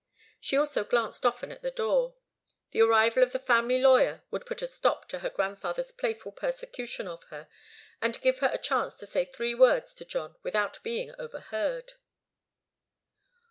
She, also, glanced often at the door. The arrival of the family lawyer would put a stop to her grandfather's playful persecution of her, and give her a chance to say three words to John without being overheard.